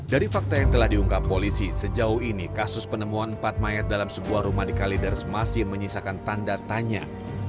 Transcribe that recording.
dari fakta yang telah diungkap polisi sejauh ini kasus penemuan empat mayat dalam sebuah rumah di kaliders masih menyisakan tanda tanya